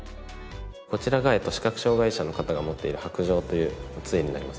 こちらが視覚障害者の方が持っている白杖という杖になります。